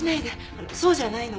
あのそうじゃないの。